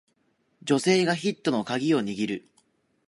女性がヒットのカギを握る